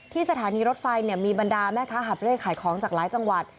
สถานีรถไฟมีบรรดาแม่ค้าหับเลขขายของจากหลายจังหวัด